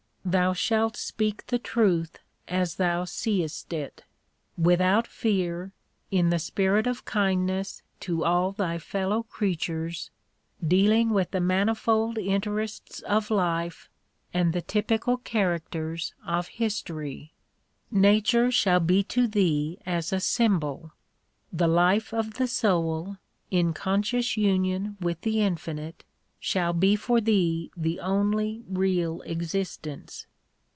Thou shalt speak the truth as thou seest it, without fear, in the spirit of kindness to all thy fellow creatures, dealing with the manifold interests of life and the typical characters of history. Nature shall be to thee as a symbol. The life of the soul, in conscious union with the Infinite, shall be for thee the only real existence.